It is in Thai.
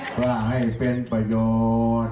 เพื่อให้เป็นประโยชน์